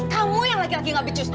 kamu yang laki laki gak becus